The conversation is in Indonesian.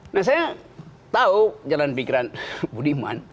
nah saya tahu jalan pikiran bu diman